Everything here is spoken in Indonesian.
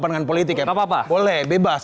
pandangan politik ya pak apa apa boleh bebas